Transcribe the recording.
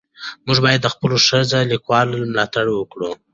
موږ باید د خپلو ښځینه لیکوالو ملاتړ وکړو.